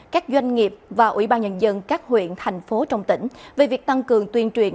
các doanh nghiệp và ủy ban nhân dân các huyện thành phố trong tỉnh về việc tăng cường tuyên truyền